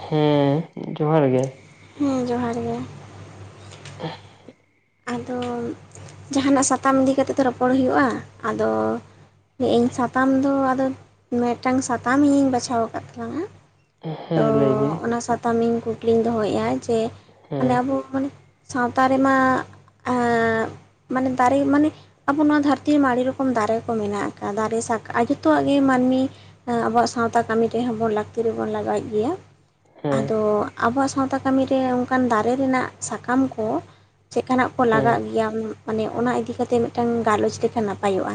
ᱦᱩᱸᱻ ᱡᱚᱦᱟᱨ ᱜᱮ ᱦᱩᱸ ᱡᱚᱦᱟᱨ ᱜᱮ, [unintelligible] ᱟᱫᱚ ᱡᱟᱦᱟᱱᱟᱜ ᱥᱟᱛᱟᱢ ᱤᱫᱤ ᱠᱟᱛᱮ ᱛᱚ ᱨᱚᱯᱚᱲ ᱦᱩᱭᱩᱜᱼᱟ, ᱟᱫᱚ ᱤᱧ ᱥᱟᱛᱟᱢ ᱫᱚ ᱟᱫᱚ, ᱢᱤᱫᱴᱟᱝ ᱥᱟᱛᱟᱢ ᱤᱧ ᱤᱧ ᱵᱟᱪᱷᱟᱣ ᱟᱠᱟᱫ ᱛᱟᱞᱟᱝᱟ ᱛᱚ ᱦᱮᱸ ᱞᱟᱹᱭ ᱵᱤᱱ ᱚᱱᱟ ᱥᱟᱛᱟᱢ ᱤᱧ ᱠᱩᱠᱞᱤᱧ ᱫᱚᱦᱚᱭᱮᱫᱼᱟ ᱡᱮ, ᱢᱟᱱᱮ ᱦᱮᱸ ᱟᱵᱚ ᱵᱚᱱ ᱥᱟᱣᱛᱟ ᱨᱮᱢᱟ, [unintelligible] ᱢᱟᱱᱮ ᱫᱟᱨᱮ ᱢᱟᱱᱮ, ᱟᱵᱚ ᱱᱚᱣᱟ ᱫᱷᱟᱹᱨᱛᱤ ᱨᱮᱢᱟ ᱟᱹᱰᱤ ᱨᱚᱠᱚᱢ ᱫᱟᱨᱮ ᱠᱚ ᱢᱮᱱᱟᱜ ᱟᱠᱟᱜᱼᱟ ᱫᱟᱨᱮ ᱥᱟᱠᱟ ᱡᱚᱛᱚᱣᱟᱜ ᱜᱮ ᱢᱟᱹᱱᱢᱤ, ᱟᱵᱚᱣᱟᱜ ᱥᱟᱣᱛᱟ ᱠᱟᱹᱢᱤ ᱨᱮ ᱦᱚᱸ ᱞᱟᱹᱠᱛᱤ ᱨᱮᱵᱚᱱ ᱞᱟᱜᱟᱣᱮᱫ ᱜᱮᱭᱟ, ᱦᱮᱸ ᱟᱫᱚ ᱟᱵᱚᱣᱟᱜ ᱥᱟᱣᱛᱟ ᱠᱟᱹᱢᱤ ᱨᱮ ᱚᱱᱠᱟᱱ ᱫᱟᱨᱮ ᱨᱮᱱᱟᱜ ᱥᱟᱠᱟᱢ ᱠᱚ ᱪᱮᱫ ᱠᱟᱱᱟᱜ ᱠᱚ ᱦᱮᱸ ᱞᱟᱜᱟᱜ ᱜᱮᱭᱟ ᱢᱟᱱᱮ ᱚᱱᱟ ᱤᱫᱤ ᱠᱟᱛᱮ ᱢᱤᱫᱴᱟᱝ ᱜᱟᱞᱚᱪ ᱞᱮᱠᱟᱟᱱ ᱱᱟᱯᱟᱭᱚᱜᱼᱟ,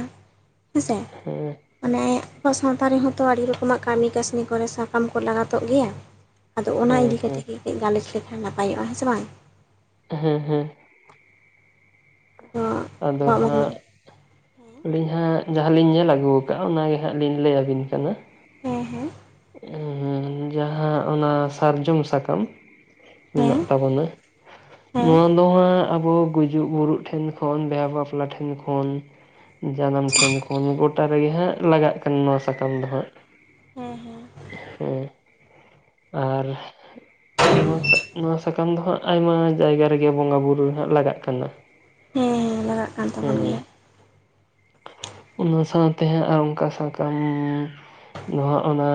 ᱦᱮᱸ ᱥᱮ? ᱦᱩᱸ, ᱢᱟᱱᱮ ᱟᱵᱚᱣᱟᱜ ᱥᱟᱣᱛᱟ ᱨᱮᱦᱚᱸ ᱛᱚ ᱟᱹᱰᱤ ᱨᱚᱠᱚᱢᱟᱜ ᱠᱟᱹᱢᱤ ᱠᱟᱹᱥᱱᱤ ᱠᱚᱨᱮ ᱥᱟᱠᱟᱢ ᱠᱚ ᱞᱟᱜᱟᱛᱚᱜ ᱜᱮᱭᱟ ᱾ ᱟᱫᱚ ᱚᱱᱟ ᱤᱫᱤ ᱠᱟᱛᱮ ᱦᱮᱸ ᱜᱮ ᱠᱟᱹᱡ ᱜᱟᱞᱚᱪ ᱞᱮᱠᱷᱟᱱ ᱱᱟᱯᱟᱭᱚᱜᱼᱟ ᱦᱮᱸ ᱥᱮ ᱵᱟᱝ? ᱦᱮᱸ ᱦᱮᱸ, [inaudible] ᱟᱫᱚ ᱢᱟᱱᱮ ᱦᱟᱸᱜ, ᱟᱹᱞᱤᱧ ᱦᱟᱸᱜ ᱡᱟᱦᱟᱸᱞᱤᱧ ᱧᱮᱞ ᱟᱹᱜᱩ ᱟᱠᱟᱜᱼᱟ ᱚᱱᱟᱜ ᱜᱮ ᱦᱟᱸᱜ ᱞᱤᱧ ᱞᱟᱹᱭᱟᱵᱤᱱ ᱠᱟᱱᱟ ᱾ ᱦᱮᱸ ᱦᱮᱸ, ᱡᱟᱦᱟᱸ ᱚᱱᱟ ᱥᱟᱨᱡᱚᱢ ᱥᱟᱠᱟᱢ, ᱦᱮᱸ ᱦᱮᱸ ᱢᱮᱱᱟᱜ ᱛᱟᱵᱚᱱᱟ, ᱦᱮᱸ ᱱᱚᱣᱟ ᱱᱚᱣᱟ ᱟᱵᱚ ᱜᱩᱡᱩᱜ ᱜᱩᱨᱩᱜ ᱴᱷᱮᱱ ᱠᱷᱚᱱ ᱵᱤᱦᱟ ᱵᱟᱯᱞᱟ ᱴᱷᱮᱱ ᱠᱷᱚᱱ, ᱡᱟᱱᱟᱢ ᱴᱷᱮᱱ ᱠᱷᱚᱱ ᱜᱚᱴᱟ ᱨᱮ ᱜᱮ ᱦᱟᱸᱜ ᱞᱟᱜᱟᱜ ᱠᱟᱱᱟ ᱱᱚᱣᱟ ᱥᱟᱠᱟᱢ ᱫᱚ ᱦᱟᱸᱜ, ᱦᱩᱸ ᱦᱩᱸ, ᱦᱮᱸ, ᱟᱨ ᱱᱚᱣᱟ ᱱᱚᱣᱟ ᱥᱟᱠᱟᱢ ᱫᱚ ᱦᱟᱸᱜ ᱟᱭᱢᱟ ᱡᱟᱭᱜᱟ ᱨᱮ ᱜᱮ ᱵᱚᱸᱜᱟ ᱵᱩᱨᱩ ᱨᱮ ᱦᱟᱸᱜ ᱞᱟᱜᱟᱜ ᱠᱟᱱᱟ ᱾ ᱦᱮᱸ ᱦᱮᱸ ᱞᱟᱜᱟᱜ ᱠᱟᱱ ᱛᱟᱵᱚᱱ ᱜᱮᱭᱟ᱾ ᱚᱱᱟ ᱥᱟᱶᱛᱮ ᱦᱟᱸᱜ ᱟᱨ ᱚᱱᱠᱟ ᱥᱟᱠᱟᱢ ᱫᱚ ᱚᱱᱟ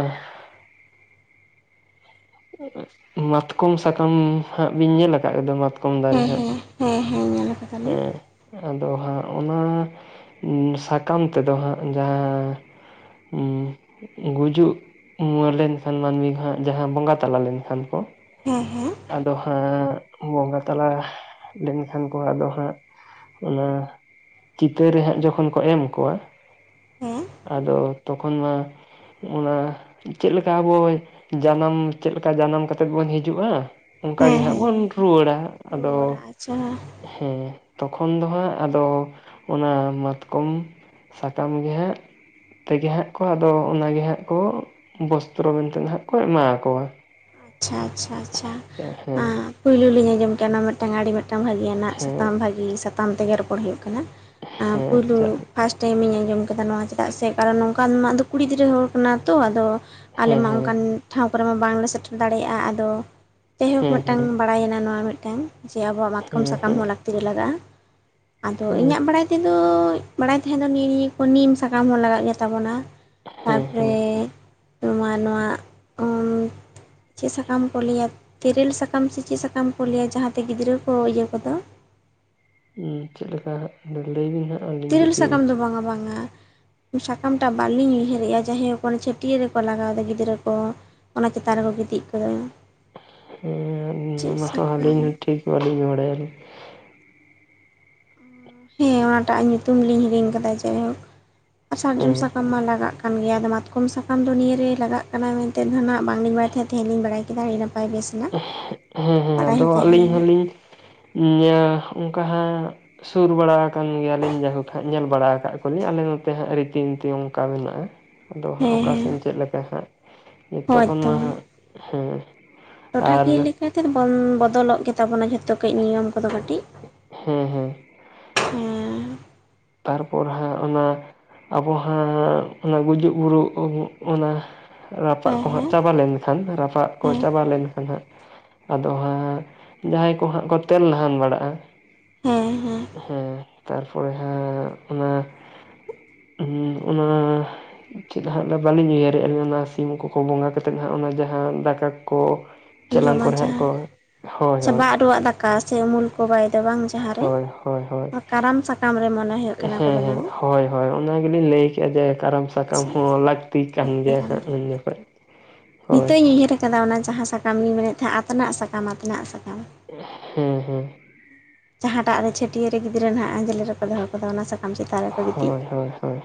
ᱢᱟᱛᱠᱚᱢ ᱥᱟᱠᱟᱢ ᱦᱟᱸᱜ ᱵᱤᱱ ᱧᱮᱞ ᱠᱟᱜ ᱜᱮᱫᱚ ᱢᱟᱛ ᱦᱮᱸ ᱦᱮᱸ, ᱦᱮᱸ ᱦᱮᱸ ᱧᱮᱞ ᱟᱠᱟᱫᱟ ᱦᱮᱸ ᱟᱫᱚ ᱦᱟᱸᱜ ᱚᱱᱟ ᱥᱟᱠᱟᱢ ᱛᱮᱫᱚ ᱦᱟᱸᱜ ᱡᱟᱦᱟᱸ ᱩᱸ ᱜᱩᱡᱩᱜ ᱩᱸ ᱞᱮᱱᱠᱷᱟᱱ ᱢᱟᱹᱱᱢᱤ ᱦᱟᱸᱜ ᱡᱟᱦᱟᱸ ᱵᱚᱸᱜᱟ ᱛᱟᱞᱟ ᱞᱮᱱᱠᱷᱟᱱ ᱠᱚ, ᱦᱮᱸ ᱦᱮᱸ᱾ ᱟᱫᱚ ᱦᱟᱸᱜ ᱵᱚᱸᱜᱟ ᱛᱟᱞᱟ ᱞᱮᱱᱠᱷᱟᱱ ᱠᱚ ᱟᱫᱚ ᱦᱟᱸᱜ ᱚᱱᱟ ᱪᱤᱛᱟᱹᱨ ᱨᱮ ᱦᱟᱸᱜ ᱡᱚᱠᱷᱚᱱ ᱠᱚ ᱮᱢ ᱠᱚᱣᱟ ᱦᱮᱸ ᱟᱫᱚ ᱛᱚᱠᱷᱚᱱ ᱢᱟ ᱚᱱᱟ ᱪᱮᱫ ᱞᱮᱠᱟ ᱟᱵᱚ ᱡᱟᱱᱟᱢ ᱪᱮᱫ ᱞᱮᱠᱟ ᱡᱟᱱᱟᱢ ᱠᱟᱛᱮᱫ ᱵᱚᱱ ᱦᱤᱡᱩᱜᱼᱟ, ᱚᱱᱠᱟ ᱜᱮ ᱦᱮᱸ ᱦᱟᱸᱜ ᱦᱮᱸ ᱵᱚᱱ ᱨᱩᱣᱟᱹᱲᱟ ᱟᱫᱚ ᱨᱩᱣᱟᱹᱲᱟ ᱟᱪᱪᱷᱟ ᱦᱮᱸ, ᱛᱚᱠᱷᱚᱱ ᱫᱚ ᱦᱟᱸᱜ ᱟᱫᱚ ᱚᱱᱟ ᱢᱟᱛᱠᱚᱢ ᱥᱟᱠᱟᱢ ᱜᱮ ᱦᱟᱸᱜ ᱛᱮᱜᱮ ᱦᱟᱸᱜ ᱠᱚ ᱟᱫᱚ ᱚᱱᱟᱜᱮ ᱦᱟᱸᱜ ᱠᱚ ᱵᱚᱥᱛᱨᱚ ᱢᱮᱱᱛᱮ ᱱᱟᱦᱟᱜ ᱠᱚ ᱮᱢᱟᱣᱟᱠᱚᱣᱟ᱾ ᱟᱪᱪᱷᱟ ᱟᱪᱪᱷᱟ ᱟᱪᱪᱷᱟ ᱦᱮᱸ ᱮᱸ ᱯᱩᱭᱞᱩ ᱞᱤᱧ ᱟᱸᱡᱚᱢ ᱠᱮᱫᱼᱟ ᱱᱚᱣᱟ ᱢᱤᱫᱴᱟᱝ ᱟᱹᱰᱤ ᱢᱮ ᱴᱟᱝ ᱵᱷᱟᱜᱮᱭᱟᱱᱟᱜ ᱥᱟᱛᱟᱢ ᱦᱮᱸ ᱵᱷᱟᱜᱤ ᱥᱟᱛᱟᱢ ᱛᱮᱜᱮ ᱨᱚᱯᱚᱲ ᱦᱩᱭᱩᱜ ᱠᱟᱱᱟ, ᱮᱸ ᱯᱩᱭᱞᱩ ᱦᱮᱸ ᱯᱷᱟᱥᱴ ᱴᱟᱭᱤᱢᱤᱧ ᱟᱸᱡᱚᱢ ᱠᱮᱫᱟ ᱱᱚᱣᱟ ᱪᱮᱫᱟᱜ ᱥᱮ ᱠᱟᱨᱚᱱ ᱱᱚᱝᱠᱟ ᱢᱟ ᱟᱫᱚ ᱠᱩᱲᱤ ᱜᱤᱫᱽᱨᱟᱹ ᱦᱚᱲ ᱠᱟᱱᱟ ᱛᱚ ᱟᱫᱚ ᱟᱞᱮ ᱦᱮᱸ ᱢᱟ ᱦᱮᱸ ᱚᱱᱠᱟᱱ ᱴᱷᱟᱶ ᱠᱚᱨᱮ ᱢᱟ ᱵᱟᱝᱞᱮ ᱥᱮᱴᱮᱨ ᱫᱟᱲᱮᱭᱟᱜᱼᱟ, ᱟᱫᱚ ᱡᱟᱭᱦᱳᱠ ᱦᱮᱸ ᱦᱮᱸ ᱢᱤᱫᱴᱟᱝ ᱵᱟᱲᱟᱭᱮᱱᱟ ᱱᱚᱣᱟ ᱢᱤᱫᱴᱟᱝ ᱡᱮ ᱟᱵᱚᱣᱟᱜ ᱢᱟᱛᱠᱚᱢ ᱥᱟᱠᱟᱢ ᱦᱮᱸ ᱦᱚᱸ ᱞᱟᱹᱠᱛᱤ ᱨᱮ ᱞᱟᱜᱟᱜᱼᱟ, ᱟᱫᱚ ᱤᱧᱟᱹᱜ ᱵᱟᱲᱟᱭ ᱛᱮᱫᱚ ᱵᱟᱲᱟᱭ ᱛᱟᱦᱮᱸ ᱫᱚ ᱱᱤᱭᱟᱹ ᱱᱤᱭᱟᱹ ᱠᱚ ᱱᱤᱢ ᱥᱟᱠᱟᱢ ᱦᱚᱸ ᱞᱟᱜᱟᱜ ᱜᱮᱛᱟᱵᱚᱱᱟ, ᱦᱮᱸ ᱛᱟᱨᱯᱚᱨᱮ ᱦᱮᱸ ᱱᱚᱣᱟ ᱱᱚᱣᱟ ᱩᱢ ᱪᱮᱫ ᱥᱟᱠᱟᱢ ᱠᱚ ᱞᱟᱹᱭᱟ, ᱛᱮᱨᱮᱞ ᱥᱟᱠᱟᱢ ᱥᱮ ᱪᱮᱫ ᱥᱟᱠᱟᱢ ᱠᱚ ᱞᱟᱹᱭᱟ ᱡᱟᱦᱟᱸᱛᱮ ᱜᱤᱫᱽᱨᱟᱹ ᱠᱚ ᱤᱭᱟᱹ ᱠᱚᱫᱚ? ᱩᱸ ᱪᱮᱫ ᱞᱮᱠᱟ ᱦᱟᱸᱜ ᱞᱟᱹᱭ ᱵᱤᱱ ᱦᱟᱸᱜ᱾ ᱟᱹᱞᱤᱧ ᱛᱤᱨᱤᱞ ᱡᱩᱫᱤ ᱥᱟᱠᱟᱢ ᱫᱚ ᱵᱟᱝᱟ ᱵᱟᱝᱟ᱾ ᱥᱟᱠᱟᱢᱴᱟᱜ ᱵᱟᱹᱞᱤᱧ ᱩᱭᱦᱟᱹᱨᱮᱜᱼᱟ ᱡᱟᱭᱦᱳᱠ ᱚᱱᱮ ᱪᱷᱟᱹᱴᱭᱟᱹᱨ ᱨᱮᱠᱚ ᱞᱟᱜᱟᱣᱫᱚ ᱜᱤᱫᱽᱨᱟᱹ ᱠᱚ ᱚᱱᱟ ᱪᱮᱛᱟᱱ ᱨᱮᱠᱚ ᱜᱤᱛᱤᱡ ᱜᱚᱫᱚ᱾ ᱦᱮᱸ ᱩᱸ ᱚᱱᱟ ᱦᱚᱸ ᱟᱹᱞᱤᱧ ᱦᱚᱸ ᱴᱷᱤᱠ ᱵᱟᱞᱤᱧ ᱵᱟᱲᱟᱭᱟᱞᱤᱧ᱾ ᱦᱮᱸ ᱚᱱᱟᱴᱟᱜ ᱧᱩᱛᱩᱢ ᱞᱤᱧ ᱦᱤᱲᱤᱧ ᱟᱠᱟᱫᱟ ᱡᱟᱭᱦᱳᱠ, ᱥᱟᱨᱡᱚᱢ ᱦᱮᱸ ᱥᱟᱠᱟᱢ ᱢᱟ ᱞᱟᱜᱟᱜ ᱠᱟᱱ ᱜᱮᱭᱟ ᱟᱫᱚ ᱢᱟᱛᱠᱚᱢ ᱥᱟᱠᱟᱢ ᱫᱚ ᱱᱤᱭᱟᱹ ᱨᱮ ᱞᱟᱜᱟᱜ ᱠᱟᱱᱟ ᱢᱮᱱᱛᱮᱫ ᱫᱚ ᱱᱟᱦᱟᱜ ᱵᱟᱝᱞᱤᱧ ᱵᱟᱲᱟᱭ ᱛᱟᱦᱮᱸᱫ, ᱛᱮᱦᱮᱧ ᱞᱤᱧ ᱵᱟᱲᱟᱭ ᱠᱮᱫᱟ ᱟᱹᱰᱤ ᱱᱟᱯᱟᱭ ᱵᱮᱥ᱾ ᱱᱟᱜ ᱦᱮᱸ ᱦᱮᱸ ᱵᱟᱲᱟᱭ ᱟᱫᱚ ᱦᱚᱸ ᱟᱹᱞᱤᱧ ᱛᱟᱦᱮᱸᱭᱮᱱᱟ ᱦᱚᱞᱤᱧ ᱧᱟ ᱚᱱᱠᱟ ᱦᱟᱸᱜ ᱥᱩᱨ ᱵᱟᱲᱟ ᱟᱠᱟᱱ ᱜᱮᱭᱟᱞᱤᱧ ᱡᱟᱭᱦᱳᱠ ᱦᱟᱸᱜ ᱧᱮᱞ ᱵᱟᱲᱟ ᱟᱠᱟᱫ ᱠᱚᱣᱟᱞᱤᱧ ᱟᱞᱮ ᱱᱚᱛᱮ ᱦᱟᱸᱜ ᱨᱤᱛᱤᱱᱤᱛᱤ ᱚᱱᱠᱟ ᱢᱮᱱᱟᱜᱼᱟ᱾ ᱟᱫᱚ ᱦᱟᱸᱜ ᱦᱮᱸ ᱚᱠᱟ ᱦᱮᱸ ᱥᱮᱱ ᱪᱮᱫ ᱞᱮᱠᱟ ᱦᱟᱸᱜ, ᱡᱚᱛᱚ ᱦᱳᱭ ᱠᱷᱚᱱ ᱛᱚ ᱢᱟ ᱦᱟᱸᱜ, ᱦᱮᱸ᱾ ᱟᱨ ᱴᱚᱴᱷᱟᱠᱤᱭᱟᱹ ᱞᱮᱠᱟᱛᱮ ᱫᱚ ᱵᱚᱞ ᱵᱚᱫᱚᱞᱚᱜ ᱜᱮᱛᱟᱵᱚᱱᱟ ᱡᱷᱚᱛᱚ ᱠᱟᱹᱡ ᱱᱤᱭᱚᱢ ᱠᱚᱫᱚ ᱠᱟᱹᱴᱤᱡ᱾ ᱦᱮᱸ ᱦᱮᱸ᱾ ᱦᱮᱸ ᱛᱟᱨᱯᱚᱨ ᱦᱟᱸᱜ ᱚᱱᱟ ᱟᱵᱚ ᱦᱟᱸ ᱚᱱᱟ ᱜᱩᱡᱩᱜ ᱜᱩᱨᱩᱜ ᱩᱸ ᱚᱱᱟ ᱨᱟᱯᱟᱜ ᱦᱮᱸ ᱠᱚ ᱦᱟᱸᱜ ᱦᱮᱸ ᱪᱟᱵᱟ ᱞᱮᱱᱠᱷᱟᱱ, ᱨᱟᱯᱟᱜ ᱠᱚ ᱦᱮᱸ ᱪᱟᱵᱟ ᱞᱮᱱᱠᱷᱟᱱ ᱦᱟᱸᱜ, ᱟᱫᱚ ᱦᱟᱸᱜ ᱡᱟᱦᱟᱸᱭ ᱠᱚ ᱦᱟᱸᱜ ᱠᱚ ᱛᱮᱞ ᱱᱟᱦᱟᱱ ᱵᱟᱲᱟᱜᱼᱟ, ᱦᱮᱸ ᱦᱮᱸ᱾ ᱦᱮᱸ ᱛᱟᱨᱯᱚᱨᱮ ᱦᱟᱸᱜ ᱚᱱᱟ ᱦᱩᱸᱧ ᱚᱱᱟ ᱪᱮᱫ ᱦᱟᱸᱜ ᱞᱮ ᱵᱟᱹᱞᱤᱧ ᱩᱭᱦᱟᱹᱨᱮᱜᱼᱟ ᱞᱤᱧ ᱚᱱᱟ ᱥᱤᱢ ᱠᱚᱠᱚ ᱵᱚᱸᱜᱟ ᱠᱟᱛᱮᱫ ᱦᱟᱸᱜ ᱚᱱᱟ ᱡᱟᱦᱟᱸ ᱫᱟᱠᱟ ᱠᱚ ᱪᱮᱞᱟᱝ ᱡᱚᱢᱟ ᱠᱚᱨᱮ ᱦᱟᱸᱜ ᱡᱟᱦᱟᱸ, ᱠᱚ ᱦᱳᱭ ᱥᱮ ᱦᱳᱭ ᱵᱟᱜ ᱨᱩᱣᱟᱜ ᱫᱟᱠᱟ ᱥᱮ ᱩᱢᱩᱞ ᱠᱚ ᱵᱟᱭ ᱫᱚ ᱵᱟᱝ ᱡᱟᱦᱟᱸ ᱨᱮ, ᱦᱳᱭ ᱦᱳᱭ ᱦᱳᱭ ᱚ ᱠᱟᱨᱟᱢ ᱥᱟᱠᱟᱢ ᱨᱮ ᱢᱚᱱᱮ ᱦᱩᱭᱩᱜ ᱠᱟᱱᱟ ᱠᱚ ᱦᱮᱸ ᱦᱮᱸ ᱵᱮᱱᱟᱣᱟ᱾ ᱦᱳᱭ ᱦᱳᱭ ᱚᱱᱟ ᱜᱮᱞᱤᱧ ᱞᱟᱹᱭ ᱠᱮᱜᱼᱟ ᱡᱮ ᱠᱟᱨᱟᱢ ᱥᱟᱠᱟᱢ ᱦᱚᱸ ᱞᱟᱹᱠᱛᱤ ᱠᱟᱱ ᱜᱮᱭᱟ ᱦᱟᱸᱜ ᱩᱱ ᱡᱚᱠᱷᱚᱡ ᱾ ᱱᱤᱛᱚᱜ ᱤᱧ ᱩᱭᱦᱟᱹᱨ ᱟᱠᱟᱫᱟ ᱚᱱᱟ ᱡᱟᱦᱟᱸ ᱥᱟᱠᱟᱢ ᱞᱤᱧ ᱢᱮᱱᱮᱫ ᱛᱟᱦᱮᱸᱫ ᱟᱛᱱᱟᱜ ᱥᱟᱠᱟᱢ ᱟᱛᱱᱟᱜ ᱥᱟᱠᱟᱢ ᱾ ᱦᱮᱸ ᱦᱮᱸ ᱾ ᱡᱟᱦᱟᱸᱴᱟᱜ ᱨᱮ ᱪᱷᱟᱹᱴᱭᱟᱹᱨᱮ ᱜᱤᱫᱽᱨᱟᱹ ᱱᱟᱜ ᱟᱸᱡᱞᱮ ᱨᱮᱠᱚ ᱫᱚᱦᱚ ᱠᱟᱫᱟ ᱚᱱᱟ ᱥᱟᱠᱟᱢ ᱪᱮᱛᱟᱱ ᱨᱮᱠᱚ ᱜᱤᱛᱤᱡ ᱦᱳᱭ ᱦᱳᱭ ᱦᱳᱭ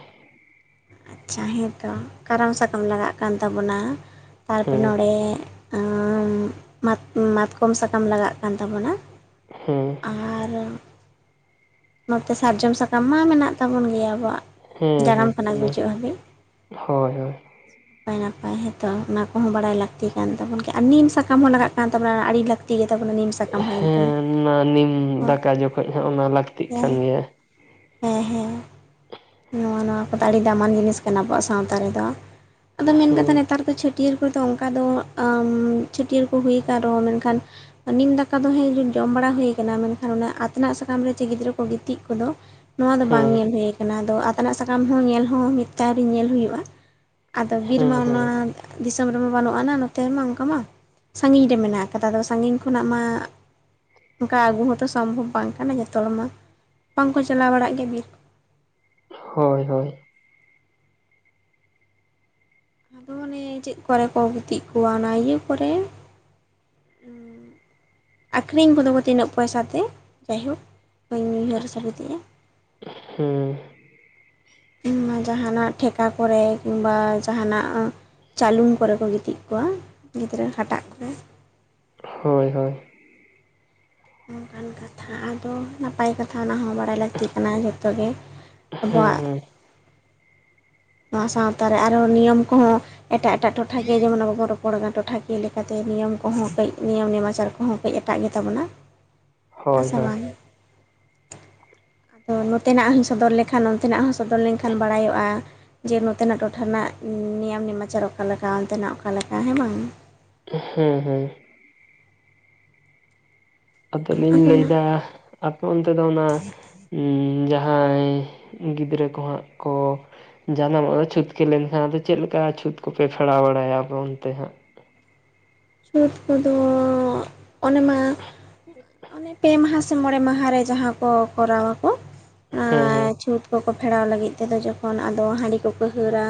ᱟᱪᱪᱷᱟ ᱦᱮᱸᱛᱚ ᱠᱟᱨᱟᱢ ᱥᱟᱠᱟᱢ ᱞᱟᱜᱟᱜ ᱠᱟᱱ ᱛᱟᱵᱚᱱᱟ ᱾ ᱛᱟᱨᱯᱚᱨᱮ ᱦᱮᱸ ᱱᱚᱲᱮ ᱮᱸᱻ ᱢᱟᱛ-ᱢᱟᱛᱠᱚᱢ ᱥᱟᱠᱟᱢ ᱞᱟᱜᱟᱜ ᱠᱟᱱ ᱛᱟᱵᱚᱱᱟ ᱾ ᱦᱮᱸ ᱾ ᱟᱨ ᱱᱚᱛᱮ ᱥᱟᱨᱡᱚᱢ ᱥᱟᱠᱟᱢ ᱢᱟ ᱢᱮᱱᱟᱜ ᱛᱟᱵᱚᱱ ᱜᱮᱭᱟ ᱟᱵᱚᱣᱟᱜ ᱾ ᱦᱮᱸ ᱡᱟᱱᱟᱢ ᱦᱮᱸ ᱠᱷᱚᱱᱟᱜ ᱚᱱᱟ ᱜᱩᱡᱩᱜ ᱦᱟᱹᱵᱤᱡ ᱾ ᱦᱳᱭ ᱦᱳᱭ ᱱᱟᱯᱟᱭ ᱱᱟᱯᱟᱭ ᱦᱮᱛᱚ ᱚᱱᱟ ᱠᱚᱦᱚᱸ ᱵᱟᱲᱟᱭ ᱞᱟᱹᱠᱛᱤ ᱠᱟᱱ ᱛᱟᱵᱚᱱ ᱜᱮ, ᱟᱨ ᱱᱤᱢ ᱥᱟᱠᱟᱢ ᱦᱚᱸ ᱞᱟᱜᱟᱜ ᱠᱟᱱ ᱛᱟᱵᱚᱱᱟ ᱟᱹᱲᱤ ᱞᱟᱠᱛᱤ ᱜᱮ ᱛᱟᱵᱚᱱᱟ ᱱᱤᱢ ᱥᱟᱠᱟᱢ ᱦᱮᱸ ᱮᱱᱛᱮ ᱾ ᱦᱩᱸ ᱚᱱᱟ ᱱᱤᱢ ᱫᱟᱠᱟ ᱡᱚᱠᱷᱚᱡ ᱦᱚᱸ ᱚᱱᱟ ᱞᱟᱹᱠᱛᱤᱜ ᱦᱮᱸ ᱠᱟᱱ ᱜᱮᱭᱟ ᱾ ᱦᱮᱸ ᱦᱮᱸ ᱾ ᱱᱚᱣᱟ ᱱᱚᱣᱟ ᱠᱚᱫᱚ ᱟᱹᱲᱤ ᱫᱟᱢᱟᱱ ᱡᱤᱱᱤᱥ ᱠᱟᱱᱟ ᱟᱵᱚᱣᱟᱜ ᱥᱟᱶᱛᱟ ᱨᱮᱫᱚ, ᱟᱫᱚ ᱢᱮᱱ ᱠᱟᱛᱮ ᱦᱮᱸ ᱱᱮᱛᱟᱨ ᱫᱚ ᱪᱷᱟᱹ ᱴᱤᱭᱟᱹᱨ ᱠᱚᱫᱚ ᱚᱝᱠᱟ ᱫᱚ ᱟᱸ ᱪᱷᱟᱹᱴᱭᱟᱹᱨ ᱠᱚ ᱦᱩᱭ ᱟᱠᱟᱱ ᱨᱮᱦᱚᱸ ᱢᱮᱱᱠᱷᱟᱱ ᱱᱤᱢ ᱫᱟᱠᱟ ᱫᱚ ᱦᱮᱸ ᱡᱚ ᱡᱚᱢ ᱵᱟᱲᱟ ᱦᱩᱭ ᱠᱟᱱᱟ ᱢᱮᱱᱠᱷᱟᱱ ᱚᱱᱟ ᱟᱛᱱᱟᱜ ᱥᱟᱠᱟᱢ ᱨᱮ ᱡᱮ ᱜᱤᱫᱽᱨᱟᱹ ᱠᱚ ᱜᱤᱛᱤᱡ ᱠᱚᱫᱚ ᱱᱚᱣᱟ ᱫᱚ ᱦᱮᱸ ᱵᱟᱝ ᱧᱮᱞ ᱦᱩᱭ ᱠᱟᱱᱟ ᱟᱫᱚ ᱟᱛᱮᱱᱟᱜ ᱥᱟᱠᱟᱢ ᱦᱚᱸ ᱧᱮᱞ ᱦᱚᱸ ᱢᱤᱫᱛᱮ ᱟᱹᱣᱨᱤ ᱧᱮᱞ ᱦᱩᱭᱩᱜᱼᱟ ᱾ ᱟᱫᱚ ᱵᱤᱨᱢᱟ ᱦᱮᱸ ᱦᱮᱸ ᱚᱱᱟ ᱫᱤᱥᱚᱢ ᱨᱮᱢᱟ ᱵᱟᱹᱱᱩᱜᱼᱟᱱᱟ ᱱᱚᱛᱮ ᱨᱮᱢᱟ ᱚᱱᱠᱟ ᱢᱟ, ᱥᱟᱺᱜᱤᱧ ᱨᱮ ᱢᱮᱱᱟᱜ ᱠᱟᱫᱟ ᱟᱫᱚ ᱥᱟᱺᱜᱤᱧ ᱠᱷᱚᱱᱟᱜ ᱢᱟ ᱚᱱᱠᱟ ᱟᱹᱜᱩ ᱦᱚᱸᱛᱚ ᱥᱚᱢᱵᱷᱚᱵ ᱵᱟᱝ ᱠᱟᱱᱟ ᱡᱚᱛᱚ ᱦᱚᱲ ᱢᱟ ᱵᱟᱝᱠᱚ ᱪᱟᱞᱟᱣ ᱵᱟᱲᱟᱜ ᱜᱮᱭᱟ ᱵᱤᱨ ᱠᱚ ᱾ ᱦᱳᱭ ᱦᱳᱭ ᱾ ᱚᱱᱮ ᱪᱮᱫ ᱠᱚᱨᱮ ᱠᱚ ᱜᱤᱛᱤᱡ ᱠᱚᱣᱟ ᱚᱱᱟ ᱤᱭᱟᱹ ᱠᱚᱨᱮ ᱾ [inaudible] ᱟᱠᱷᱨᱤᱧ ᱠᱚᱫᱚ ᱠᱚ ᱛᱤᱱᱟᱹᱜ ᱯᱚᱭᱥᱟ ᱛᱮ ᱡᱟᱭᱦᱳᱠ ᱵᱟᱹᱧ ᱩᱭᱦᱟᱹᱨ ᱥᱟᱹᱵᱤᱛᱮᱜᱼᱟ ᱾ ᱦᱮᱸ ᱾ ᱩᱱᱟ ᱡᱟᱸᱦᱟᱱᱟᱜ ᱴᱷᱮᱠᱟ ᱠᱚᱨᱮ ᱠᱤᱢᱵᱟ ᱡᱟᱦᱟᱸᱱᱟᱜ ᱪᱟᱞᱩᱱ ᱠᱚᱨᱮ ᱠᱚ ᱜᱤᱛᱤᱡ ᱠᱚᱣᱟ ᱜᱤᱫᱽᱨᱟᱹ ᱦᱟᱴᱟᱜ ᱠᱚᱨᱮ ᱾ ᱦᱳᱭ ᱦᱳᱭ ᱾ ᱱᱚᱝᱠᱟᱱ ᱠᱟᱛᱷᱟ ᱟᱫᱚ ᱱᱟᱯᱟᱭ ᱠᱟᱛᱷᱟ ᱚᱱᱟ ᱦᱚᱸ ᱵᱟ ᱰᱟᱭ ᱞᱟᱹᱠᱛᱤ ᱠᱟᱱᱟ ᱡᱷᱚᱛᱚ ᱜᱮ ᱾ ᱦᱮᱸ ᱟᱵᱚᱣᱟᱜ ᱦᱮᱸ ᱱᱚᱣᱟ ᱥᱟᱶᱛᱟ ᱨᱮ ᱟᱨᱦᱚᱸ ᱱᱤᱭᱚᱢ ᱠᱚᱦᱚᱸ ᱮᱴᱟᱜ ᱮᱴᱟᱜ ᱴᱚᱴᱷᱟ ᱡᱮ ᱡᱮᱢᱚᱱ ᱟᱵᱚᱵᱚᱱ ᱯᱚᱲᱜᱟ ᱴᱚᱴᱷᱟᱠᱤᱭᱟᱹ ᱞᱮᱠᱟᱛᱮ ᱱᱤᱭᱚᱢ ᱠᱚᱦᱚᱸ ᱠᱟᱹᱡ ᱱᱤᱭᱚᱢ ᱱᱮᱢᱟᱪᱟᱨ ᱠᱚᱦᱚᱸ ᱠᱟᱹᱡ ᱮᱴᱟᱜ ᱜᱮᱛᱟᱵᱚᱱᱟ ᱾ ᱦᱮᱸ ᱦᱳᱭ ᱥᱮ ᱦᱳᱭ ᱵᱟᱝᱜᱤ! ᱟᱫᱚ ᱱᱚᱛᱮᱱᱟᱜ ᱦᱚᱧ ᱥᱚᱫᱚᱨ ᱞᱮᱠᱷᱟᱱ ᱚᱱᱛᱮᱱᱟᱜ ᱦᱚᱸ ᱥᱚᱫᱚᱨ ᱞᱮᱱᱠᱷᱟᱱ ᱵᱟᱲᱟᱭᱚᱜᱼᱟ ᱾ ᱡᱮ ᱱᱚᱛᱮᱱᱟᱜ ᱴᱚᱴᱷᱟ ᱨᱮᱱᱟᱜ ᱱᱤᱭᱚᱢ ᱱᱮᱢᱟᱪᱟᱨ ᱚᱠᱟᱞᱠᱟ, ᱚᱱᱛᱮᱱᱟᱜ ᱚᱠᱟᱮ ᱞᱮᱠᱟ ᱦᱮᱸ ᱵᱟᱝ ᱾ ᱦᱮᱸ ᱦᱮᱸ ᱾ ᱟᱫᱚᱞᱤᱧ ᱟᱫᱚ ᱚᱱᱟ ᱞᱟᱹᱭᱫᱟ ᱟᱯᱮ ᱚᱱᱛᱮ ᱫᱚ ᱚᱱᱟ ᱩᱸᱻ ᱡᱟᱦᱟᱸᱭ ᱜᱤᱫᱽᱨᱟᱹ ᱠᱚ ᱦᱟᱸᱜ ᱠᱚ ᱡᱟᱱᱟᱢᱚᱜᱼᱟ ᱪᱷᱩᱸᱛᱠᱮ ᱞᱮᱱᱠᱷᱟᱱ ᱟᱫᱚ ᱪᱮᱫ ᱞᱮᱠᱟ ᱪᱷᱩᱛ ᱠᱚᱯᱮ ᱯᱷᱮᱲᱟᱣ ᱵᱟᱲᱟᱭᱟ ᱟᱯᱮ ᱚᱱᱛᱮ ᱦᱟᱸᱜ? ᱪᱷᱩᱫ ᱠᱚᱫᱚ ᱚᱱᱮᱢᱟ [inaudible] ᱯᱮ ᱢᱟᱦᱟ ᱥᱮ ᱢᱚᱬᱮ ᱢᱟᱦᱟ ᱨᱮ ᱡᱟᱦᱟᱸ ᱠᱚ ᱠᱚᱨᱟᱣᱟᱚ ᱚᱱᱟ ᱦᱮᱸ ᱦᱮᱸ ᱪᱷᱩᱸᱛ ᱠᱚ ᱠᱚ ᱯᱷᱮᱲᱟᱣ ᱞᱟᱹᱜᱤᱫ ᱛᱮᱫᱚ ᱡᱚᱠᱷᱚᱱ ᱟᱫᱚ ᱦᱟᱺᱰᱤ ᱠᱚᱠᱚ ᱦᱟᱹᱨᱟ,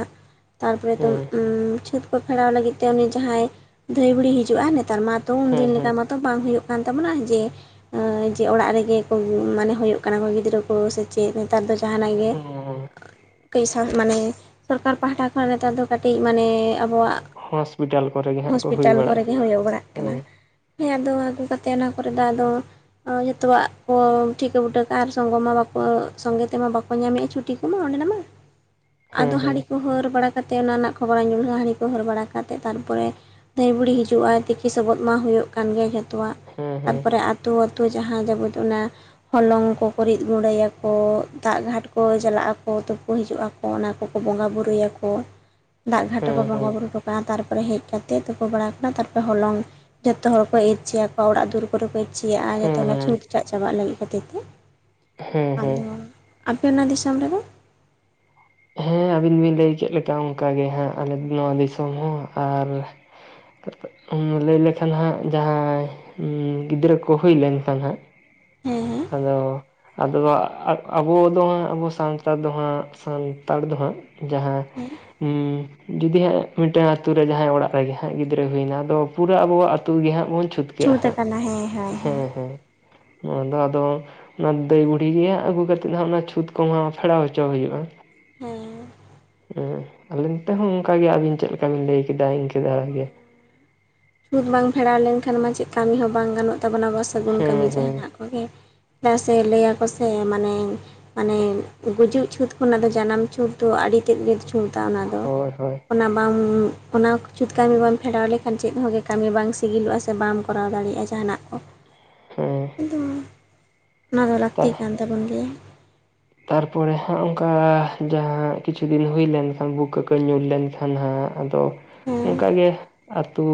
ᱛᱟᱨᱯᱚᱨᱮ ᱫᱚ ᱦᱮᱸ ᱩᱸᱻ ᱪᱷᱩᱛ ᱠᱚ ᱯᱷᱮᱲᱟᱣ ᱞᱟᱹᱜᱤᱫ ᱛᱮ ᱩᱱᱤ ᱡᱟᱦᱟᱸᱭ ᱫᱷᱟᱹᱭ ᱵᱩᱲᱤ ᱦᱤᱡᱩᱜᱼᱟ ᱱᱮᱛᱟᱨ ᱢᱟᱛᱚ ᱩᱱᱫᱤᱱ ᱞᱮᱠᱟ ᱦᱮᱸ ᱢᱟᱛᱚ ᱵᱟᱝ ᱦᱩᱭᱩᱜ ᱠᱟᱱ ᱛᱟᱵᱚᱱᱟ ᱡᱮ ᱮ ᱡᱮ ᱚᱲᱟᱜ ᱨᱮᱜᱮ ᱠᱚ ᱢᱟᱱᱮ ᱦᱳᱭᱳᱜ ᱠᱟᱱᱟ ᱠᱚ ᱜᱤᱫᱽᱨᱟᱹ ᱠᱚ ᱥᱮᱪᱮᱫ, ᱱᱮᱛᱟᱨ ᱫᱚ ᱡᱟᱦᱟᱱᱟᱜ ᱜᱮ, ᱦᱮᱸ ᱦᱮᱸ ᱠᱟᱹᱡ ᱥᱟ ᱢᱟᱱᱮ ᱥᱚᱨᱠᱟᱨ ᱯᱟᱦᱴᱟ ᱠᱷᱚᱱ ᱱᱮᱛᱟᱨ ᱫᱚ ᱠᱟᱹᱴᱤᱡ, ᱢᱟᱱᱮ ᱟᱵᱚ ᱣᱟᱜ ᱦᱚᱥᱯᱤᱴᱟᱞ ᱠᱚᱨᱮ ᱜᱮ ᱦᱟᱸᱜ, ᱠᱚ ᱦᱩᱭ ᱯᱤᱴᱟᱞ ᱠᱚᱨᱮ ᱵᱟᱲᱟᱜᱼᱟ ᱜᱮ ᱦᱳᱭᱳ ᱵᱟᱲᱟᱜ ᱠᱟᱱᱟ᱾ ᱦᱮᱸ ᱦᱮ ᱟᱫᱚ ᱟᱹᱜᱩ ᱠᱟᱛᱮᱫ ᱚᱱᱟ ᱠᱚᱨᱮ ᱫᱚ ᱟᱫᱚ ᱡᱚᱛᱚᱣᱟᱜ ᱠᱚ ᱴᱷᱤᱠᱟᱹ ᱵᱩᱴᱟᱹ ᱠᱟᱜᱼᱟ, ᱟᱨ ᱥᱚᱝᱜᱚ ᱢᱟ ᱵᱟᱠᱚ ᱥᱚᱸᱜᱮ ᱛᱮᱢᱟ ᱵᱟᱠᱚ ᱧᱟᱢᱮᱜᱼᱟ ᱪᱷᱩ ᱴᱤᱠ ᱠᱚᱢ ᱚᱱᱰᱮᱱᱟᱢᱟ ᱦ [inaudible] ᱟᱫᱚ ᱦᱟᱹᱰᱤ ᱠᱚ ᱦᱟᱹᱨ ᱵᱟᱲᱟ ᱠᱟᱛᱮ, ᱚᱱᱟ ᱨᱮᱱᱟᱜ ᱠᱷᱚᱵᱚᱨ ᱧᱩᱨᱦᱼᱟ ᱦᱟᱺᱰᱤ ᱠᱚ ᱦᱟᱹᱨ ᱵᱟᱲᱟ ᱠᱟᱛᱮ ᱛᱟᱨ ᱯᱚᱨᱮ ᱫᱷᱟᱹᱭ ᱵᱩᱲᱤ ᱦᱤᱡᱩᱜᱼᱟᱭ ᱛᱤᱠᱤ ᱥᱚᱵᱚᱫ ᱢᱟ ᱦᱩᱭᱩᱜ ᱠᱟᱱ ᱜᱮ, ᱡᱷᱚᱛᱚᱣᱟᱜ ᱦᱮᱸ ᱛᱟᱨ ᱦᱮᱸ ᱯᱚᱨᱮ ᱟ ᱟᱹᱛᱩ ᱟᱹᱛᱩ ᱡᱟᱦᱟᱸ ᱜᱮᱵᱚ ᱫᱚᱱᱟ, ᱦᱚᱞᱚᱝ ᱠᱚᱠᱚ ᱨᱤᱫ ᱜᱩᱸᱰᱟᱹᱭᱟ ᱠᱚ ᱫᱟᱜ ᱜᱷᱟᱴ ᱠᱚ ᱪᱟᱞᱟᱜ ᱟᱠᱚ ᱛᱩᱯᱩ ᱦᱤᱡᱩᱜ ᱟᱠᱚ, ᱚᱱᱟ ᱠᱚᱠᱚ ᱵᱚᱸᱜᱟ ᱵᱩᱨᱩᱭᱟᱠᱚ, [inaudible] ᱫᱟᱜ ᱜᱷᱟᱴ ᱨᱮᱠᱚ ᱵᱚᱸᱜᱟ ᱦᱮᱸ ᱵᱩᱨᱩ ᱦᱚᱴᱚ ᱠᱟᱜᱼᱟ, ᱛᱟᱨᱯᱚᱨᱮ ᱦᱮᱡ ᱠᱟᱛᱮᱫ ᱛᱩᱛᱩ ᱵᱟᱲᱟᱣ ᱟᱠᱟᱱᱟ, ᱛᱟᱨ ᱯᱚᱨᱮ ᱦᱚᱞᱚᱝ ᱡᱚᱛᱚ ᱦᱚᱲ ᱠᱚ ᱤᱨᱪᱤᱭᱟ ᱚᱲᱟᱜ ᱫᱩᱭᱟᱹᱨ ᱠᱚᱨᱮ ᱠᱚ ᱤᱨᱪᱤ ᱭᱟᱜᱼᱟ, ᱡᱟᱛᱮ ᱦᱮᱸ ᱚᱱᱟ ᱦᱮᱸ ᱪᱷᱩᱸᱛ ᱴᱟᱜ ᱪᱟᱵᱟᱜ ᱞᱟᱹᱜᱤᱫ ᱠᱷᱟᱹᱛᱤᱨ ᱛᱮ, ᱦᱮᱸ ᱦᱮᱸ ᱟᱫᱚ, ᱟᱯᱮ ᱚᱱᱟ ᱫᱤᱥᱚᱢ ᱨᱮᱫᱚ? ᱦᱮᱸ ᱟᱹᱵᱤᱱ ᱵᱤᱱ ᱞᱟᱹᱭ ᱠᱮᱫ ᱞᱮᱠᱟ ᱚᱝᱠᱟ ᱜᱮ ᱦᱟᱸᱜ, ᱟᱞᱮ ᱱᱚᱣᱟ ᱫᱤᱥᱚᱢ ᱦᱚᱸ ᱟᱨ ᱞᱟᱹᱭ ᱞᱮᱠᱷᱟᱱ ᱦᱟᱸᱜ ᱡᱟᱦᱟᱸᱭ ᱜᱤᱫᱽᱨᱟᱹ ᱠᱚ ᱦᱩᱭ ᱞᱮᱱᱠᱷᱟᱱ ᱦᱟᱸᱜ, ᱦᱮᱸ ᱦᱮᱸ ᱟᱫᱚ ᱟᱫᱚ ᱣᱟᱜ ᱟᱵᱚ ᱫᱚ ᱦᱟᱸᱜ, ᱟᱵᱚ ᱥᱟᱱᱛᱟᱲ ᱫᱚ ᱦᱟᱸᱜ, ᱥᱟᱱᱛᱟᱲ ᱫᱚ ᱦᱟᱸᱜ ᱡᱟᱦᱟᱸ ᱦᱩᱸ ᱦᱩᱸ ᱡᱩᱫᱤ ᱦᱟᱸᱜ ᱢᱤᱫᱴᱟᱝ ᱟᱹᱛᱩ ᱨᱮ ᱡᱟᱦᱟᱸᱭ ᱚᱲᱟᱜ ᱨᱮᱜᱮ ᱦᱟᱸᱜ ᱜᱤᱫᱽᱨᱟᱹᱭ ᱦᱩᱭᱱᱟ, ᱟᱫᱚ ᱯᱩᱨᱟᱹ ᱟᱵᱚᱣᱟᱜ ᱟᱹᱛᱩ ᱜᱮ ᱦᱟᱸᱜ ᱵᱚᱱ ᱪᱷᱩᱛ ᱠᱟᱹᱜ ᱪᱷᱩᱸᱛ ᱦᱟᱸᱜ, ᱟᱠᱟᱱᱟ ᱦᱮᱸ ᱦᱳᱭ ᱦᱮᱸ ᱦᱮᱸ ᱱᱚᱣᱟ ᱫᱚ ᱟᱫᱚ ᱚᱱᱟ ᱫᱟᱹᱭ ᱵᱩᱰᱷᱤ ᱜᱮ ᱦᱟᱸᱜ, ᱟᱹᱜᱩ ᱠᱟᱛᱮᱫ ᱦᱟᱸᱜ ᱚᱱᱟ ᱪᱷᱩᱛ ᱠᱚᱢᱟ ᱯᱷᱮᱲᱟᱣ ᱦᱚᱪᱚ ᱦᱩᱭᱩᱜᱼᱟ᱾ ᱦᱩᱸ ᱦᱮᱸ ᱟᱞᱤᱧ ᱛᱮᱦᱚᱸ ᱚᱱᱠᱟ ᱜᱮ ᱟᱹᱵᱤᱱ ᱪᱮᱫ ᱞᱮᱠᱟ ᱵᱤᱱ ᱞᱟᱹᱭ ᱠᱮᱫᱟ ᱤᱱᱠᱟᱹ ᱫᱷᱟᱨᱟ ᱜᱮ, ᱪᱷᱩᱛ ᱵᱟᱝ ᱯᱷᱮᱨᱟᱣ ᱞᱮᱱᱠᱷᱟᱱ ᱢᱟ, ᱪᱮᱫ ᱠᱟᱹᱢᱤ ᱦᱚᱸ ᱵᱟᱝ ᱜᱟᱱᱚᱜ ᱛᱟᱵᱚᱱᱟ, ᱟᱵᱚᱣᱟ ᱥᱟᱹᱜᱩᱱ ᱦᱮᱸ ᱠᱟᱹᱢᱤ ᱦᱮᱸ ᱡᱟᱦᱟᱱᱟᱜ ᱠᱚᱜᱮ, ᱪᱮᱫᱟᱜ ᱥᱮ ᱞᱟᱹᱭᱟᱠᱚ ᱥᱮ, ᱢᱟᱱᱮ, ᱢᱟᱱᱮ ᱜᱩᱡᱩᱜ ᱪᱷᱩᱸᱛ ᱠᱷᱚᱱᱟᱜ ᱫᱚ ᱡᱟᱱᱟᱢ ᱪᱷᱩᱸᱛ ᱛᱚ ᱟᱹᱰᱤ ᱛᱮᱫ ᱜᱮ ᱪᱷᱩᱸᱛᱟ ᱚᱱᱟ ᱫᱚ, ᱦᱳᱭ ᱦᱳᱭ ᱚᱱᱟ ᱵᱟᱢ ᱚᱱᱟ ᱪᱷᱩᱛ ᱠᱟᱹᱢᱤ ᱵᱟᱢ ᱯᱷᱮᱰᱟᱣ ᱞᱮᱠᱷᱟᱱ ᱪᱮᱫ ᱦᱚᱸᱜᱮ ᱠᱟᱹᱢᱤ ᱵᱟᱝ, ᱥᱤᱜᱤᱞᱚᱜᱼᱟ ᱥᱮ ᱵᱟᱢ ᱠᱚᱨᱟᱣ ᱫᱟᱲᱮᱭᱟᱜᱼᱟ ᱡᱟᱦᱟᱱᱟᱜ ᱠᱚ᱾ ᱦᱩᱸ ᱠᱤᱱᱛᱩ ᱚᱱᱟ ᱫᱚ ᱞᱟᱹᱠᱛᱤ ᱠᱟᱱ ᱛᱟᱵᱚᱱ ᱜᱮᱭᱟ, ᱛᱟᱨ ᱯᱚᱨᱮ ᱦᱟᱸᱜ ᱚᱝᱠᱟ, ᱡᱟᱦᱟᱸ ᱠᱤᱪᱷᱩ ᱫᱤᱱ ᱦᱩᱭ ᱞᱮᱱᱠᱷᱟᱱ, ᱵᱩᱠᱟᱹ ᱠᱚ ᱧᱩᱨ ᱞᱮᱱᱠᱷᱟᱱ ᱦᱟᱸᱜ ᱟᱫᱚ ᱦᱮᱸ ᱚᱝᱠᱟ ᱜᱮ, ᱟᱹᱛᱩ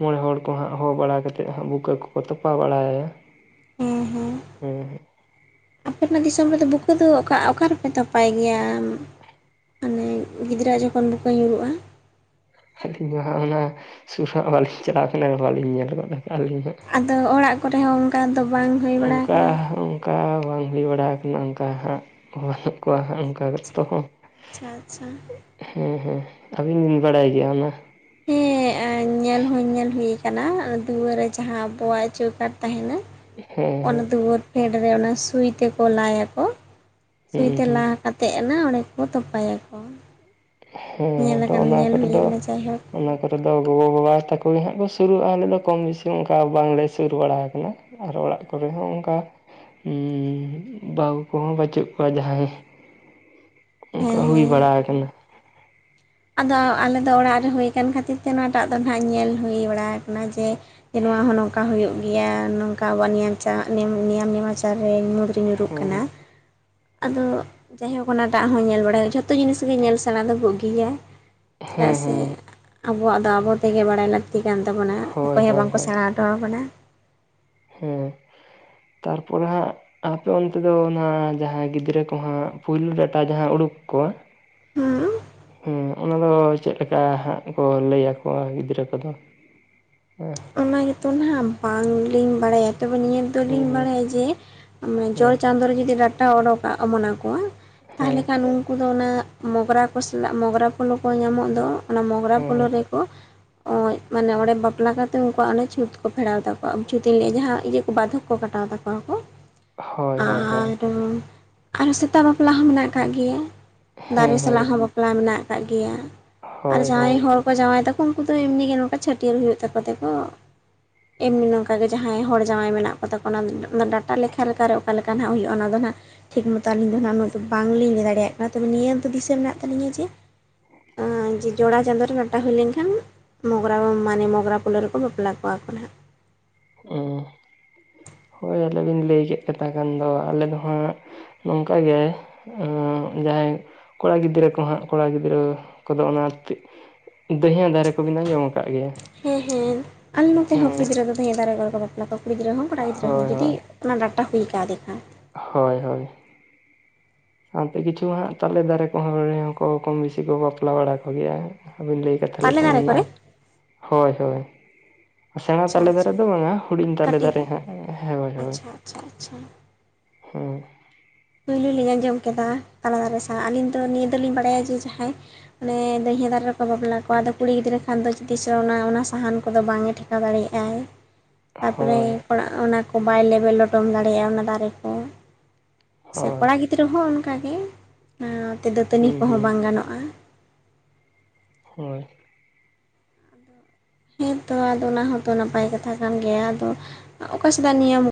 ᱢᱚᱬᱮ ᱦᱚᱲ ᱠᱚ ᱦᱟᱸᱜ ᱦᱚᱦᱚ ᱵᱟᱲᱟ ᱠᱟᱛᱮᱫ, ᱦᱟᱸᱜ ᱵᱩᱠᱟᱹ ᱠᱚᱠᱚ ᱛᱚᱯᱟ ᱵᱟᱲᱟᱭᱟ᱾ ᱦᱩᱸ ᱦᱩᱸ, ᱦᱮᱸ ᱟᱯᱮ ᱚᱱᱟ ᱫᱤᱥᱚᱢ ᱨᱮᱫᱚ ᱵᱩᱠᱟᱹ ᱫᱚ, ᱚᱠᱟ ᱚᱠᱟ ᱨᱮᱯᱮ ᱛᱚᱯᱟᱭ ᱜᱮᱭᱟ? ᱢᱟᱱᱮ ᱜᱤᱫᱽᱨᱟᱹ ᱦᱟᱜ ᱡᱚᱠᱷᱚᱱ ᱵᱩᱠᱟᱹ ᱧᱩᱨᱩᱜᱼᱟ, ᱟᱹᱞᱤᱧ ᱢᱟ ᱦᱟᱸᱜ ᱚᱱᱟ ᱥᱩᱨ ᱦᱟᱸᱜ ᱵᱟᱞᱤᱧ ᱪᱟᱞᱟᱣ ᱟᱠᱟᱱᱟ, ᱵᱟᱞᱤᱧ ᱧᱮᱞ ᱜᱚᱫ ᱟᱠᱟᱜᱼᱟ ᱟᱹᱞᱤᱧ ᱫᱚ᱾ ᱟᱫᱚ ᱚᱲᱟᱜ ᱠᱚᱨᱮ ᱦᱚᱸ ᱚᱝᱠᱟ ᱫᱚ ᱵᱟᱝ ᱦᱩᱭ ᱵᱟᱲᱟ ᱟᱠᱟᱱᱟ? ᱚᱠᱟ ᱵᱟᱝ ᱦᱩᱭ ᱵᱟᱲᱟ ᱟᱠᱟᱱᱟ, ᱚᱝᱠᱟ ᱦᱟᱸᱜ ᱵᱟᱹᱱᱩᱜ ᱠᱚᱣᱟ ᱦᱟᱸ᱾ ᱚᱱᱠᱟ ᱛᱚ ᱦᱚᱸ ᱟᱪᱪᱷᱟ ᱟᱪᱪᱷᱟ ᱦᱩᱸ ᱦᱩᱸ ᱟᱹᱵᱤᱱ ᱵᱤᱱ ᱵᱟᱲᱟᱭ ᱜᱮᱭᱟ ᱚᱱᱟ? ᱦᱮᱸ ᱧᱮᱞ ᱦᱚᱧ ᱧᱮᱞ ᱦᱩᱭ ᱠᱟᱱᱟ ᱫᱩᱣᱟᱹᱨ ᱨᱮ ᱡᱟᱦᱟ ᱟᱵᱚᱣᱟᱜ ᱪᱳ ᱠᱟᱴ ᱛᱟᱦᱮᱱᱟ᱾ ᱚᱱᱟ ᱦᱮᱸ ᱦᱮᱸ ᱫᱩᱣᱟᱹᱨ ᱯᱷᱮᱰ ᱨᱮ ᱚᱱᱟ ᱥᱩᱭ ᱛᱮᱠᱚ ᱞᱟᱭ ᱟᱠᱚ ᱥᱩᱭ ᱦᱩᱸ ᱛᱮ ᱦᱩᱸ ᱞᱟ ᱠᱟᱛᱮᱜ ᱱᱟ ᱚᱸᱰᱮ ᱠᱚ ᱛᱚᱯᱟᱭ ᱟᱠᱚ᱾ ᱦᱮᱸ ᱟᱫᱚ ᱚᱱᱟ ᱠᱚᱨᱮ ᱫᱚ ᱟᱠᱟᱱᱟ ᱡᱟᱭᱦᱳᱠ ᱚᱱᱟ ᱠᱚᱨᱚ ᱫᱚ ᱜᱚᱜᱚ ᱵᱟᱵᱟ ᱛᱟᱠᱚ ᱜᱮ ᱦᱟᱸᱜ ᱠᱚ ᱥᱩᱨᱩᱜ-ᱟ ᱟᱞᱮ ᱫᱚ ᱠᱚᱢ ᱵᱤᱥᱤ ᱚᱝᱠᱟ ᱵᱟᱝ ᱞᱮ ᱥᱩᱨ ᱵᱟᱲᱟ ᱠᱟᱱᱟ᱾ ᱟᱨ ᱚᱲᱟᱜ ᱠᱚᱨᱮ ᱦᱚᱸ ᱚᱝᱠᱟ ᱵᱟᱹᱦᱩ ᱠᱚᱦᱚᱸ ᱵᱟᱹᱪᱩᱜ ᱠᱚᱣᱟ ᱡᱟᱦᱟᱭ ᱦᱮᱸ ᱚᱝᱠᱟ ᱦᱩᱭ ᱦᱮᱸ ᱵᱟᱲᱟ ᱠᱟᱱᱟ᱾ ᱟᱫᱚ ᱟᱞᱮ ᱫᱚ ᱚᱲᱟᱜ ᱨᱮ ᱦᱩᱭ ᱠᱟᱱ ᱠᱷᱟᱹᱛᱤᱨ ᱛᱮ ᱚᱱᱟ ᱴᱟᱜ ᱫᱚ ᱦᱟᱸᱜ ᱧᱮᱞ ᱦᱩᱭ ᱵᱟᱲᱟ ᱠᱟᱱᱟ ᱡᱮ ᱡᱮ ᱱᱚᱣᱟ ᱦᱚᱸ ᱱᱚᱝᱠᱟ ᱦᱳᱭᱳᱜ ᱜᱮᱭᱟ ᱱᱚᱝᱠᱟ ᱟᱵᱚᱣᱟᱜ ᱱᱮᱭᱟᱢ ᱪᱟᱜ ᱱᱮᱭᱟᱢ ᱱᱮᱢᱟ ᱪᱟᱨ ᱨᱮ ᱢᱩᱬ ᱧᱩᱨᱩᱜ ᱠᱟᱱᱟ᱾ ᱦᱮᱸ ᱟᱫᱚ ᱡᱟᱭᱦᱳᱠ ᱚᱱᱟ ᱫᱟᱜ ᱦᱚᱸᱭ ᱧᱮᱞ ᱵᱟᱲᱟᱭ ᱦᱳᱭᱳᱜ-ᱟ ᱡᱷᱚᱛᱚ ᱡᱤᱱᱤᱥ ᱜᱮ ᱧᱮᱞ ᱥᱮᱲᱟ ᱫᱚ ᱵᱩᱜᱤᱭᱟ᱾ ᱪᱮᱫᱟᱜ ᱦᱮᱸ ᱥᱮ ᱦᱮᱸ ᱟᱵᱚᱣᱟᱜ ᱫᱚ ᱟᱵᱚ ᱛᱮᱜᱮ ᱵᱟᱲᱟᱭ ᱞᱟᱹᱠᱛᱤ ᱠᱟᱱ ᱛᱟᱵᱚᱱᱟ᱾ ᱦᱳᱭ ᱚᱠᱚᱭ ᱦᱚᱸ ᱦᱳᱭ ᱵᱟᱝ ᱠᱚ ᱦᱳᱭ ᱥᱮᱲᱟ ᱦᱚᱴᱚ ᱟᱵᱚᱱᱟ᱾ ᱦᱮᱸ᱾ ᱛᱟᱨᱯᱚᱨᱮ ᱦᱟᱸᱜ ᱟᱯᱮ ᱚᱱᱛᱮ ᱫᱚ ᱱᱟᱜ ᱡᱟᱦᱟ ᱜᱤᱫᱽᱨᱟᱹ ᱠᱚᱦᱟᱸᱜ ᱯᱩᱭᱞᱳ ᱰᱟᱴᱟ ᱡᱟᱦᱟᱸ ᱩᱰᱩᱠ ᱟᱠᱚᱣᱟ ᱦᱩᱸ᱾ ᱦᱮᱸ ᱚᱱᱟᱫᱚ ᱪᱮᱫ ᱞᱮᱠᱟ ᱦᱟᱸᱜ ᱠᱚ ᱞᱟᱹᱭ ᱟᱠᱚᱣᱟ ᱜᱤᱫᱽᱨᱟᱹ ᱠᱚᱫᱚ ᱦᱮᱸ᱾ ᱚᱱᱟ ᱜᱮᱛᱚ ᱱᱟᱦᱟᱜ ᱵᱟᱝ ᱞᱤᱧ ᱵᱟᱲᱟᱭ-ᱟ᱾ ᱛᱚᱵᱮ ᱱᱤᱭᱟᱹ ᱫᱚᱞᱤᱧ ᱦᱩᱸ ᱵᱟᱲᱟᱭ-ᱟ ᱡᱮ ᱡᱚᱲ ᱦᱩᱸ ᱦᱩᱸ ᱪᱟᱸᱫᱳ ᱨᱮ ᱡᱩᱫᱤ ᱰᱟᱴᱟ ᱚᱰᱚᱠ ᱚᱢᱚᱱᱟ ᱠᱚᱣᱟ ᱦᱩᱸ ᱛᱟᱞᱦᱮ ᱠᱷᱟᱱ ᱩᱱᱠᱩ ᱫᱚ ᱚᱱᱟ ᱢᱚᱜᱨᱟ ᱠᱚ ᱥᱟᱞᱟᱜ ᱢᱚᱜᱨᱟ ᱯᱷᱚᱞᱚ ᱠᱚ ᱧᱟᱢᱚᱜ ᱫᱚ ᱚᱱᱟ ᱢᱚᱜᱽᱨᱟ ᱦᱩᱸ ᱯᱳᱞᱳ ᱦᱩᱸ ᱨᱮᱠᱚ ᱢᱟᱱᱮ ᱚᱸᱰᱮ ᱵᱟᱯᱞᱟ ᱠᱟᱛᱮ ᱛᱚ ᱩᱱᱠᱩᱣᱟᱜ ᱚᱱᱟ ᱪᱷᱩᱸᱛ ᱠᱚ ᱯᱷᱮᱨᱟᱣ ᱛᱟᱠᱚᱣᱟ ᱪᱷᱩᱸᱛ ᱤᱧ ᱞᱟᱹᱭᱮᱜ-ᱟ ᱡᱟᱦᱟ ᱤᱭᱟᱹ ᱠᱚ ᱵᱟᱫᱷᱚᱠ ᱠᱚ ᱠᱟᱴᱟᱣ ᱛᱟᱠᱚᱣᱟ ᱠᱚ᱾ ᱦᱳᱭ ᱦᱳᱭ ᱦᱳᱭ ᱟᱨ ᱟᱨᱚᱸ ᱥᱮᱛᱟ ᱵᱟᱯᱞᱟ ᱦᱚᱸ ᱢᱮᱱᱟᱜ ᱠᱟᱜ ᱜᱮᱭᱟ ᱦᱩᱸ ᱫᱟᱨᱮ ᱦᱩᱸ ᱥᱟᱞᱟᱜ ᱦᱚᱸ ᱵᱟᱯᱞᱟ ᱢᱮᱱᱟᱜ ᱠᱟᱜ ᱜᱮᱭᱟ᱾ ᱟᱨ ᱦᱳᱭ ᱦᱳᱭ ᱡᱟᱦᱟᱭ ᱦᱚᱲ ᱠᱚ ᱡᱟᱶᱟᱭ ᱛᱟᱠᱚ ᱩᱱᱠᱩ ᱫᱚ ᱮᱢᱱᱤ ᱜᱮ ᱱᱚᱝᱠᱟ ᱪᱷᱟᱹᱴᱭᱟᱹᱨ ᱦᱩᱭᱩᱜ ᱛᱟᱠ ᱠᱚᱛᱮ ᱠᱚ ᱮᱢᱱᱤ ᱱᱚᱝᱠᱟ ᱜᱮ ᱡᱟᱦᱟᱭ ᱦᱚᱲ ᱡᱟᱶᱟᱭ ᱢᱮᱱᱟᱜ ᱠᱚᱛᱟ ᱠᱚ ᱚᱱᱟ ᱚᱱᱟ ᱰᱟᱴᱟ ᱞᱮᱠᱷᱟ ᱞᱮᱠᱟ ᱨᱮ ᱚᱠᱟ ᱞᱮᱠᱟ ᱱᱟᱜ ᱦᱩᱭᱩᱜ-ᱟ ᱚᱱᱟ ᱫᱚ ᱦᱟᱜ᱾ ᱴᱷᱤᱠ ᱢᱚᱛᱚ ᱟᱹᱞᱤᱧ ᱫᱚ ᱦᱟᱜ ᱩᱱᱟᱹᱜ ᱵᱟᱝᱞᱤᱧ ᱞᱟᱹᱭ ᱫᱟᱲᱮᱭᱟᱜ ᱠᱟᱱᱟ ᱛᱚᱵᱮ ᱱᱤᱭᱟᱹ ᱫᱚ ᱫᱤᱥᱟᱹ ᱢᱮᱱᱟᱜ ᱛᱟᱹᱞᱤᱧᱟ ᱡᱮ ᱡᱮ ᱡᱚᱲᱟ ᱪᱟᱸᱫᱳ ᱨᱮ ᱰᱟᱴᱟ ᱦᱩᱭ ᱞᱮᱱᱠᱷᱟᱱ ᱢᱚᱜᱨᱟ ᱢᱟᱱᱮ ᱢᱚᱜᱨᱟ ᱯᱩᱞᱳ ᱨᱮᱠᱚ ᱵᱟᱯᱞᱟ ᱠᱚᱣᱟ ᱠᱚ ᱱᱟᱦᱟᱜ᱾ ᱦᱮᱸᱦᱳᱭ ᱚᱱᱮ ᱵᱤᱧ ᱞᱟᱹᱭ ᱠᱮᱫ ᱥᱮᱛᱟ ᱠᱟᱱ ᱫᱚ ᱟᱞᱮ ᱫᱚ ᱦᱟᱸᱜ ᱱᱚᱝᱠᱟ ᱜᱮ ᱡᱟᱦᱟᱭ ᱠᱚᱲᱟ ᱜᱤᱫᱽᱨᱟᱹ ᱠᱚ ᱦᱟᱸᱜ ᱠᱚᱲᱟ ᱜᱤᱫᱽᱨᱟᱹ ᱠᱚᱫᱚ ᱚᱱᱟ ᱫᱮᱭᱦᱟᱹ ᱫᱟᱨᱮ ᱠᱚᱵᱤᱱ ᱟᱹᱡᱚᱢ ᱠᱟᱫ ᱜᱮᱭᱟ? ᱦᱮᱸ ᱦᱮᱸ ᱟᱞᱮ ᱱᱚᱛᱮ ᱦᱚᱸ ᱠᱩᱲᱤ ᱦᱮᱸ ᱜᱤᱫᱽᱨᱟᱹ ᱦᱚᱸ ᱫᱟᱹᱭᱦᱟᱹ ᱫᱟᱨᱮ ᱠᱚ ᱨᱮ ᱠᱚ ᱵᱟᱯᱞᱟ ᱠᱚᱣᱟ᱾ᱠᱩᱲᱤ ᱜᱤᱫᱽᱨᱟᱹ ᱦᱚᱸ ᱠᱚᱲᱟ ᱜᱤᱫᱽᱨᱟᱹ ᱦᱳᱭ ᱦᱚᱸ ᱡᱩᱫᱤ ᱦᱳᱭ ᱚᱱᱟ ᱰᱟᱴᱟ ᱦᱩᱭ ᱠᱟ ᱫᱮᱠᱷᱟᱱ᱾ ᱦᱳᱭ, ᱦᱳᱭ᱾ ᱥᱟᱶᱛᱮ ᱠᱤᱪᱷᱩ ᱦᱟᱸᱜ ᱛᱟᱞᱮ ᱫᱟᱨᱮ ᱠᱚᱦᱚᱸ ᱨᱮᱦᱚᱸ ᱠᱚᱢ ᱵᱮᱥᱤ ᱠᱚ ᱵᱟᱯᱞᱟ ᱵᱟᱲᱟ ᱠᱚ ᱜᱮᱭᱟ᱾ᱟᱫᱚ ᱞᱟᱹᱭ ᱠᱟᱛᱷᱟ ᱛᱟᱞᱮ ᱞᱮᱠᱷᱟᱱ ᱫᱟᱨᱮ ᱢᱮᱱᱟᱜ-ᱟ ᱠᱚᱨᱮ ᱦᱳᱭ, ᱦᱳᱭ᱾ ᱥᱮᱲᱟ ᱟᱪᱪᱷᱟ ᱛᱟᱞᱮ ᱫᱟᱨᱮ ᱟᱪᱪᱷᱟ ᱫᱚ ᱵᱟᱝ-ᱟ ᱦᱩᱰᱤᱧ ᱛᱟᱞᱮ ᱠᱟᱹᱴᱤᱡ ᱫᱟᱨᱮ ᱟᱜ ᱦᱟᱜ ᱦᱮᱸ ᱦᱳᱭ, ᱦᱳᱭ᱾ ᱟᱪᱪᱷᱟ ᱟᱪᱪᱷᱟ ᱟᱪᱪᱷᱟ ᱦᱩᱸ᱾ ᱯᱳᱭᱞᱳ ᱞᱤᱧ ᱟᱸᱡᱚᱢ ᱠᱮᱫᱟ ᱛᱟᱞᱟ ᱫᱟᱨᱮ ᱥᱟᱶ ᱟᱹᱞᱤᱧ ᱫᱚ ᱱᱤᱭᱟᱹ ᱫᱚ ᱞᱤᱧ ᱵᱟᱲᱟᱭ-ᱟ ᱡᱮ ᱡᱟᱦᱟᱭ ᱚᱱᱮ ᱫᱟᱹᱲᱦᱭᱟᱹ ᱫᱟᱨᱮ ᱨᱮᱠᱚ ᱵᱟᱯᱞᱟ ᱠᱚᱣᱟ ᱟᱫᱚ ᱠᱩᱲᱤ ᱜᱤᱫᱽᱨᱟᱹ ᱠᱷᱟᱱ ᱫᱚ ᱛᱤᱥᱟᱹ ᱚᱱᱟ ᱥᱟᱦᱟᱱ ᱠᱚᱫᱚ ᱵᱟᱝᱼᱮ ᱴᱷᱮ ᱠᱟᱣ ᱫᱟᱲᱮ ᱟᱜ-ᱟᱭ᱾ [inaudible] ᱛᱟᱯᱚᱨᱮ ᱦᱳᱭ ᱚᱲᱟᱜ ᱚᱱᱟᱠᱚ ᱵᱟᱭ ᱞᱮᱵᱮᱫ ᱞᱚᱴᱚᱢ ᱫᱟᱲᱮᱭᱟᱜ-ᱟ ᱚᱱᱟ ᱫᱟᱨᱮ ᱠᱚ᱾ ᱥᱮ ᱦᱳᱭ ᱠᱚᱲᱟ ᱜᱤᱫᱽᱨᱟᱹ ᱦᱚᱸ ᱚᱱᱠᱟᱜᱮ, ᱱᱛᱮ ᱫᱟᱹᱛᱟᱹᱱᱤ ᱦᱩᱸ ᱠᱚᱦᱚᱸ ᱦᱩᱸ ᱵᱟᱝ ᱜᱟᱱᱚᱜ-ᱟ᱾ ᱦᱳᱭ᱾ ᱦᱮᱸᱛᱚ ᱟᱫᱚ ᱚᱱᱟ ᱦᱚᱸᱛᱚ ᱱᱟᱯᱟᱭ ᱠᱟᱛᱷᱟ ᱠᱟᱱ ᱜᱮᱭᱟ ᱟᱫᱚ, ᱚᱠᱟᱥᱮᱫᱟᱜ ᱱᱤᱭᱟᱹᱢ